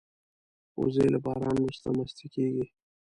وزې له باران وروسته مستې کېږي